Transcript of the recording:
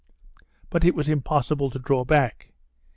But it was impossible to draw back.